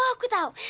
oh aku tahu